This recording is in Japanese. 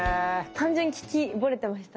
単純に聴きぼれてました。